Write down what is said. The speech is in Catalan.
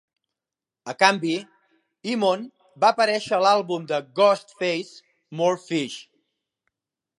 A canvi, Eamon va aparèixer a l'àlbum de Ghostface "More Fish".